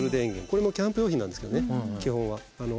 これもキャンプ用品なんですけどね基本は。